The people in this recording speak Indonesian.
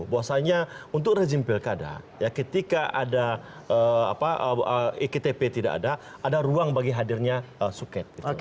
bahwasanya untuk rezim pilkada ketika ada ektp tidak ada ada ruang bagi hadirnya suket